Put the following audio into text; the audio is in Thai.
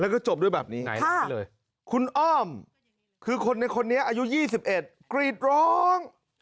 แล้วก็จบด้วยแบบนี้เลยคุณอ้อมคือคนในคนนี้อายุ๒๑กรีดร้อง